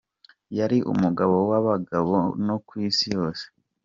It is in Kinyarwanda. Yari umugabo w’abagabo no kw’isi yose.